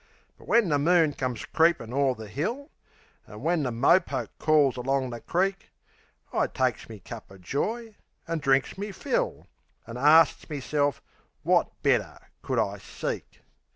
But when the moon comes creepin' o'er the hill, An' when the mopoke calls along the creek, I takes me cup o' joy an' drinks me fill, An' arsts meself wot better could I seek.